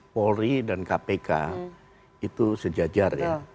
polri dan kpk itu sejajar ya